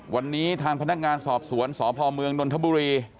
วันนี้ทางพนักงานสอบสวนสพเมืองนนทบุรี